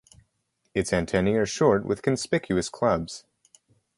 Its antennae are short with conspicuous clubs.